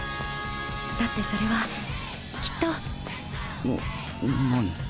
だってそれはきっとな何？